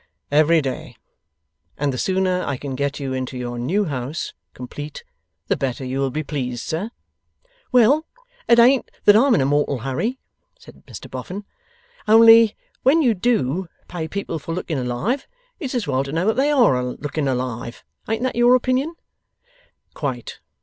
'Every day. And the sooner I can get you into your new house, complete, the better you will be pleased, sir?' 'Well, it ain't that I'm in a mortal hurry,' said Mr Boffin; 'only when you DO pay people for looking alive, it's as well to know that they ARE looking alive. Ain't that your opinion?' 'Quite!